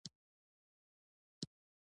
د نابرابرۍ روایت تر پوښتنې لاندې دی.